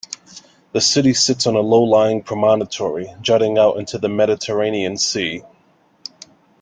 The city sits on a low-lying promontory jutting out into the Mediterranean Sea.